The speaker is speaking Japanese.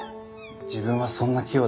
自分はそんな器用では。